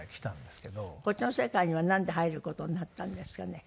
こっちの世界にはなんで入る事になったんですかね？